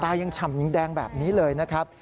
ยังฉ่ำยังแดงแบบนี้เลยนะครับ